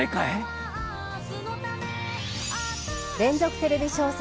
連続テレビ小説